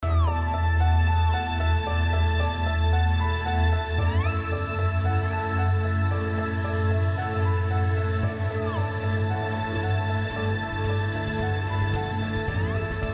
ข้อมูลอะไรหายให้โทษนะครับ